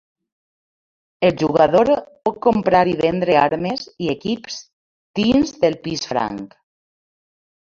El jugador pot comprar i vendre armes i equips dins del pis franc.